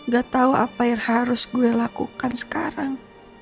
gak tahu apa yang harus gue lakukan sekarang